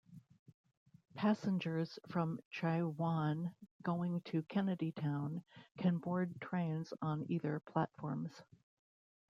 Passengers from Chai Wan going to Kennedy Town can board trains on either platforms.